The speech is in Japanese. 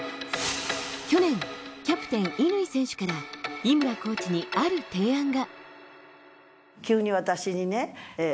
去年、キャプテン・乾選手から井村コーチにある提案が。